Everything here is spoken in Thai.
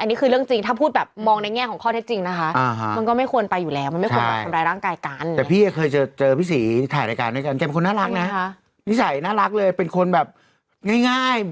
อันนี้คือเรื่องจริงถ้าบอกเป็นเรื่องของเขา